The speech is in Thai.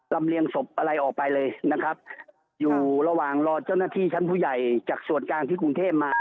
เรียงศพอะไรออกไปเลยนะครับอยู่ระหว่างรอเจ้าหน้าที่ชั้นผู้ใหญ่จากส่วนกลางที่กรุงเทพมา